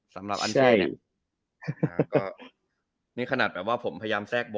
ซำหรับอันใช่โอครับเนี่ยขนาดแบบว่าผมพยายามแสก